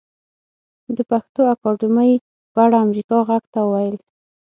د پښتو اکاډمۍ په اړه امريکا غږ ته وويل